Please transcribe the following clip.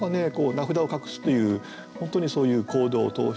「名札を隠す」という本当にそういう行動を通してですね